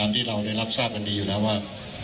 คุณผู้ชมไปฟังผู้ว่ารัฐกาลจังหวัดเชียงรายแถลงตอนนี้ค่ะ